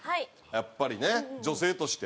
やっぱりね女性として。